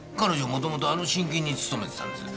もともとあの信金に勤めてたんです。